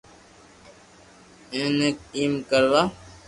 اينو ايم ڪروا